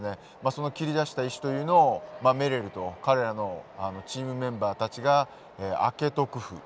その切り出した石というのをメレルと彼らのチームメンバーたちが「アケト・クフ」